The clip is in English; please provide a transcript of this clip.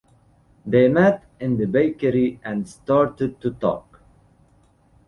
They met in the bakery and started to talk.